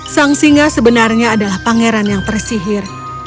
sang singa sebenarnya adalah pangeran yang tersihir